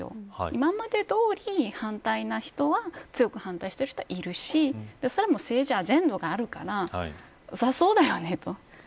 今までどおり、反対の人は強く反対している人はいるしそれも政治アジェンダがあるからそれはそうだよねと。